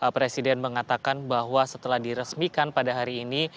presiden mengatakan bahwa setelah diresmikan pada hari ini